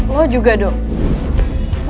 lo juga dong